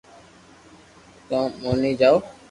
ڪو موني جاوُ